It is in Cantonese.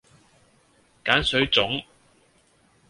鹼水粽